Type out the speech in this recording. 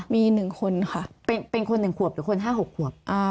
มีหนึ่งคนค่ะเป็นเป็นคนหนึ่งขวบหรือคนห้าหกขวบอ่า